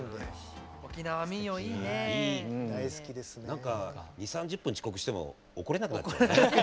何か２０３０分遅刻しても怒れなくなっちゃうよね。